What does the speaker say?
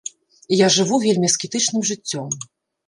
Я жыву вельмі аскетычным жыццём.